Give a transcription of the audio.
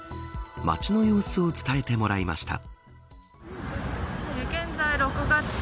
街の様子を伝えてもらいました。